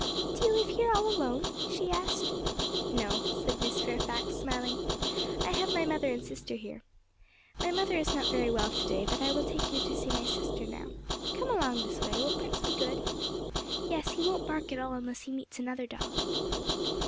'Do you live here all alone?' she asked. 'No,' said Miss Fairfax, smiling; 'I have my mother and sister here. My mother is not very well to day, but I will take you to see my sister now. Come along, this way; will Prince be good?' 'Yes, he won't bark at all unless he meets another dog.'